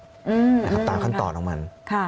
ไปตามขั้นตอนของมัน